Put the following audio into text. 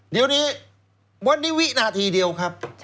เดี๋ยวนี้วันนี้วินาทีเดียวครับ